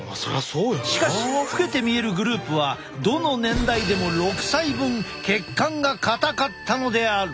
しかし老けて見えるグループはどの年代でも６歳分血管が硬かったのである！